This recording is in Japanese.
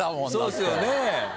そうっすよね。